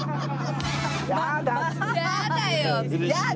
やだ！